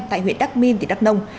tại huyện đắk minh tỉnh đắk nông